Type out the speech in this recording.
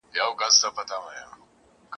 جادوګر وي غولولي یې غازیان وي !.